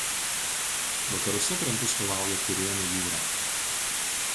Vakaruose krantus skalauja Tirėnų jūra.